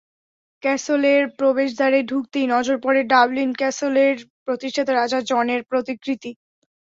ক্যাসলের প্রবেশদ্বারে ঢুকতেই নজর পড়ে ডাবলিন ক্যাসলের প্রতিষ্ঠাতা রাজা জনের প্রতিকৃতি।